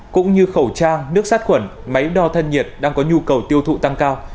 cũng như khẩu trang nước sát khuẩn máy đo thân nhiệt đang có nhu cầu tiêu thụ tăng cao